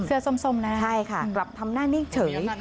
เสื้อส้มนะค่ะหลับทำหน้านิ่งเฉย